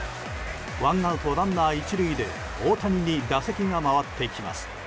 ワンアウト、ランナー１塁で大谷に打席が回ってきます。